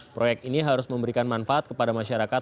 proyek ini harus memberikan manfaat kepada masyarakat